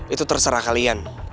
itu terserah kalian